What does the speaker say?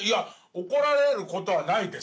怒られることはないです。